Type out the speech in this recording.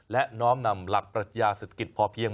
และน้อมนำหลักปรัชญาเศรษฐกิจพอเพียง